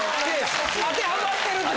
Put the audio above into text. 当てはまってるという。